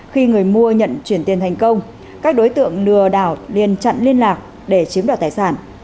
khi người mua nhận chuyển tiền thành công các đối tượng lừa đảo liên chặn liên lạc để chiếm đoạt tài sản